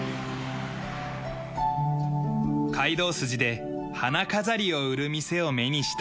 街道筋で花飾りを売る店を目にした。